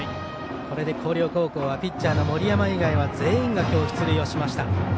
これで広陵高校はピッチャーの森山以外は全員が今日、出塁をしました。